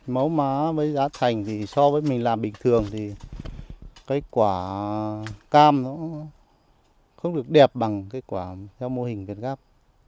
mẫu má với giá thành thì so với mình làm bình thường thì cái quả cam nó không được đẹp bằng cái quả theo mô hình việt gáp